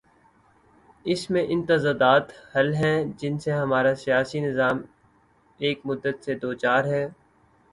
اس میں ان تضادات کا حل ہے، جن سے ہمارا سیاسی نظام ایک مدت سے دوچار ہے۔